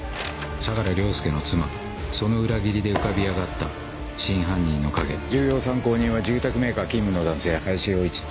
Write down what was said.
相良凌介の妻その裏切りで浮かび上がった真犯人の影重要参考人は住宅メーカー勤務の男性林洋一。